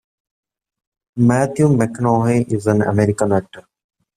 Matthew McConaughey is an American actor.